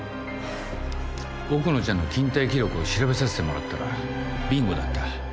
奥野ちゃんの勤怠記録を調べさせてもらったらビンゴだった。